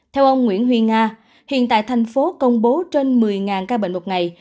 theo ông nguyễn huy nga hiện tại thành phố công bố trên một mươi ca bệnh một ngày